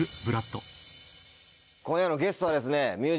今夜のゲストはですね